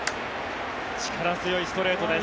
力強いストレートです。